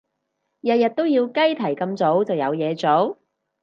日日都要雞啼咁早就有嘢做？